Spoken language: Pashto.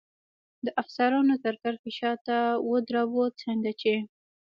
د افسرانو تر کرښې شاته ودراوه، څنګه چې.